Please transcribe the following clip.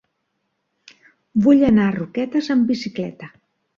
Vull anar a Roquetes amb bicicleta.